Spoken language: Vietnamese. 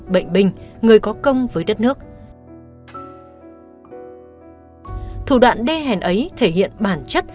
bệnh binh người có công với đất nước thủ đoạn đê hèn ấy thể hiện bản chất